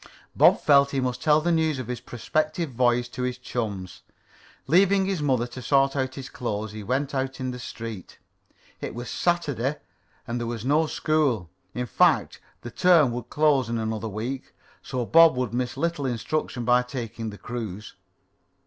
Bob felt he must tell the news of his prospective voyage to his chums. Leaving his mother to sort out his clothes, he went out in the street. It was Saturday and there was no school. In fact, the term would close in another week, so Bob would miss little instruction by taking the cruise.